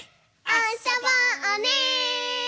あそぼうね！